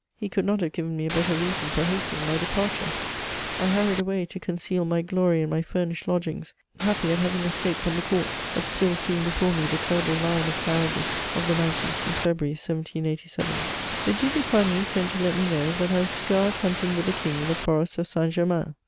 He could not have given me a better reason for hastening my departure, I hurried away to eonceal my glory in my furnished lodgings, happy at having escaped from the court, but still seeing before me the terrible line of carriages of the 1 9th of February, 1787. The Due de Coigny sent to let me know that I was to go out hunting with the King in the forest of St. Germain.